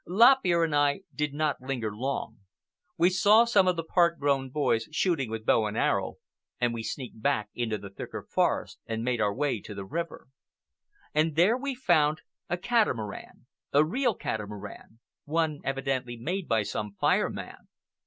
Lop Ear and I did not linger long. We saw some of the part grown boys shooting with bow and arrow, and we sneaked back into the thicker forest and made our way to the river. And there we found a catamaran, a real catamaran, one evidently made by some Fire Man.